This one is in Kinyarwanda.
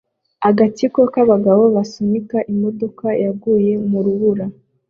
Agatsiko k'abagabo basunika imodoka yaguye mu rubura